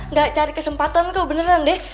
nggak cari kesempatan kok beneran deh